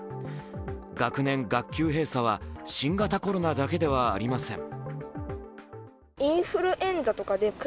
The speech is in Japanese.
学年・学級閉鎖は新型コロナだけではありません。